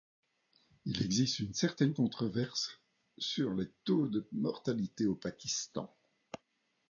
Il existe une certaine controverse sur les taux de mortalité au Pakistan.